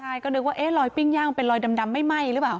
ใช่ก็นึกว่ารอยปิ้งย่างเป็นรอยดำไม่ไหม้หรือเปล่า